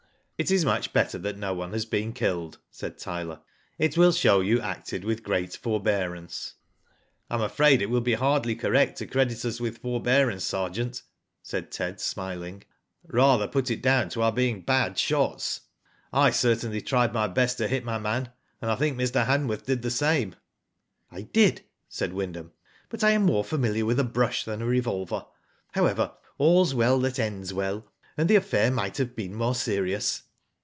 •Mt is much better that no one has been killed/' said Tyler. " It will show you acted with great forbearance." " I am afraid it will be hardly correct to credit us with forbearance, sergeant," said Ted, smiling. Rather put it down to our being bad shots. I certainly tried my best to hit my man, and I think Mr. Hanworth did the same." "I did," said Wyndham; but I am more familiar with a brush than a revolver. However, 'airs well that ends well,' and the affair might have been more serious."